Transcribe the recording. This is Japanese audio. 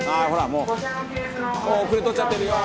「もう遅れ取っちゃってるよ！」